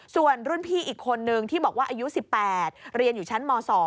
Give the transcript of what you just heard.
ส่วนรุ่นพี่อีกคนนึงที่บอกว่าอายุ๑๘เรียนอยู่ชั้นม๒